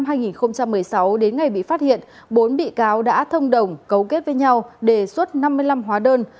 từ tháng một mươi sáu đến ngày bị phát hiện bốn bị cáo đã thông đồng cấu kết với nhau đề xuất năm mươi năm hóa đơn